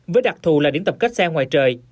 với đặc thù là điểm tập kết xe ngoài trời